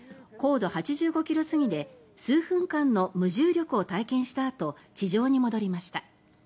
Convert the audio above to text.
度８５ｋｍ過ぎで数分間の無重力を体験したあと地上に戻りました。